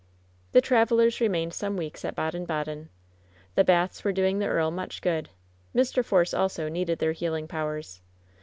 The travelers remained some weeks at Baden Baden. The baths were doing the earl much good. Mr. Force also ie^ed their healing powers.